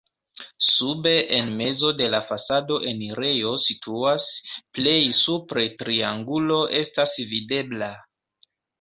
Sube en mezo de la fasado enirejo situas, plej supre triangulo estas videbla.